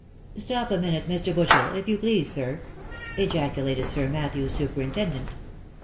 " Stop a minute, Mr. Butchel, if you please sir," ejaculated Sir Matthew's superintendent.